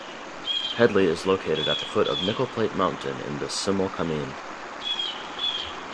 Hedley is located at the foot of Nickel Plate Mountain in the Similkameen.